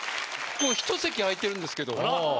ひと席空いてるんですけど。